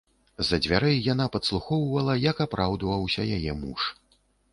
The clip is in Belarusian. З-за дзвярэй яна падслухоўвала, як апраўдваўся яе муж.